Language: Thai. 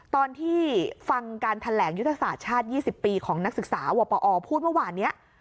ตอนที่ฟังการแถลงยุทธศาสตร์ชาติ๒๐ปีของนักศึกษาวปอพูดเมื่อวานนี้